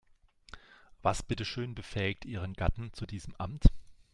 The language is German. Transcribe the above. Was bitteschön befähigt ihren Gatten zu diesem Amt?